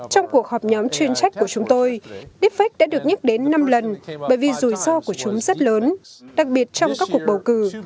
trong cuộc họp nhóm chuyên trách của chúng tôi deepfake đã được nhắc đến năm lần bởi vì rủi ro của chúng rất lớn đặc biệt trong các cuộc bầu cử